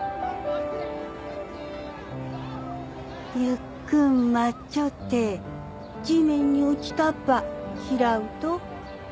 ゆっくっ待っちょって地面に落ちたっば拾うと。